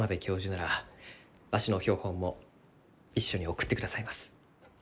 ならわしの標本も一緒に送ってくださいます。